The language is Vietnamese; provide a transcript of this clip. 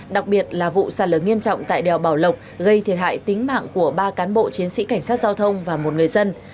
đặc biệt là vụ sạt lở nghiêm trọng tại đèo bảo lộc gây thiệt hại tính mạng của ba cán bộ chiến sĩ cảnh sát giao thông và một người dân